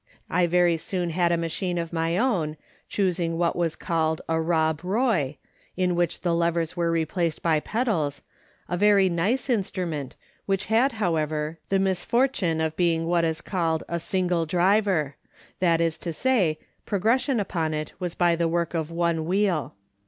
I very soon had a machine of my own, choosing what was called a " Kob Boy," iu which the levers were replaced by pedals, a very nice instrument, which had, however, the misfortune of be ing what is called a " single driver "; that is to say, progression upon it was by the work of one wheel.